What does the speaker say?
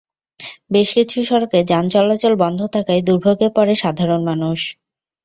বেশ কিছু সড়কে যান চলাচল বন্ধ থাকায় দুর্ভোগে পড়ে সাধারণ মানুষ।